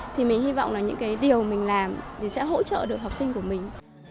thì mình hy vọng là những cái điều mình làm thì sẽ hỗ trợ được học sinh của mình